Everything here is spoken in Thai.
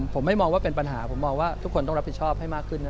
ผมไม่มองว่าเป็นปัญหาผมมองว่าทุกคนต้องรับผิดชอบให้มากขึ้นนะ